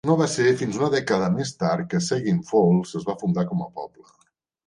No va ser fins una dècada més tard que Seguin Falls es va fundar com a poble.